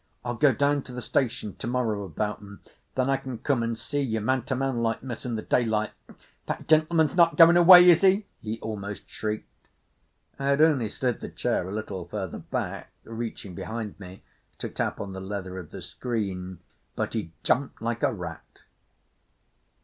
I'll go down to the station to morrow about 'em. Then I can come and see you man to man like, Miss, in the daylight…. That gentleman's not going away, is he?" He almost shrieked. I had only slid the chair a little further back, reaching behind me to tap on the leather of the screen, but he jumped like a rat.